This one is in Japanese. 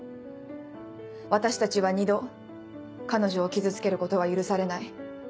私たちは二度彼女を傷つけることは許されない。